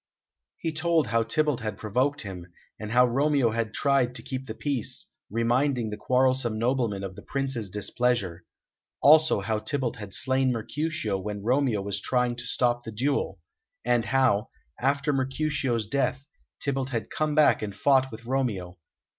He told how Tybalt had provoked him, and how Romeo had tried to keep the peace, reminding the quarrelsome nobleman of the Prince's displeasure; also how Tybalt had slain Mercutio when Romeo was trying to stop the duel; and how, after Mercutio's death, Tybalt had come back and fought with Romeo.